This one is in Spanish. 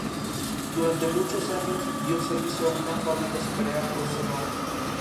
Durante muchos años dio servicio a una fábrica azucarera hoy cerrada.